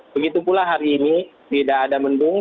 begitu pula hari ini tidak ada mendung